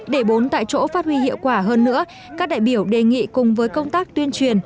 để bốn tại chỗ phát huy hiệu quả hơn nữa các đại biểu đề nghị cùng với công tác tuyên truyền